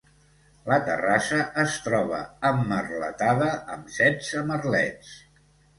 La terrassa es troba emmerletada amb setze merlets.